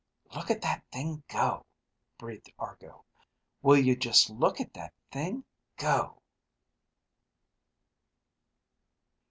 "Look at that thing go," breathed Argo. "Will you just look at that thing go!"